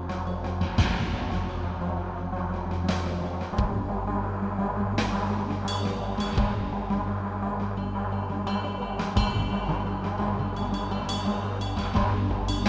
kamera empat ready ambil hasan